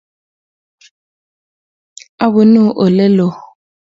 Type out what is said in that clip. abunuu ele loo